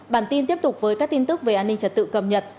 bản tin tiếp tục với các tin tức về an ninh trật tự cầm nhật